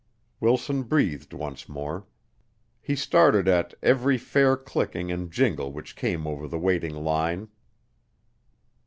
Wilson breathed once more. He started at every fairy clicking and jingle which came over the waiting line.